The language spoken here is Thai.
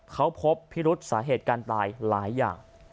เขาพบพิรุษสาเหตุการตายหลายอย่าง